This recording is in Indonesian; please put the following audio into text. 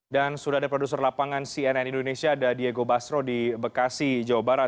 dan sudah ada produser lapangan cnn indonesia ada diego basro di bekasi jawa barat